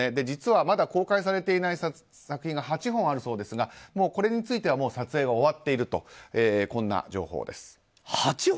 実は、まだ公開されていない作品が８本あるそうですがこれについてはもう撮影が終わっているとこんな情報です。